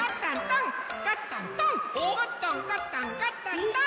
ゴットンゴットンゴットントーン！